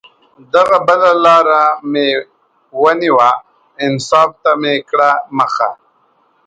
دغه بله لار مې ونیوه، انصاف ته مې کړه مخه